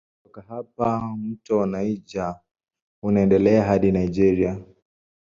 Kutoka hapa mto Niger unaendelea hadi Nigeria.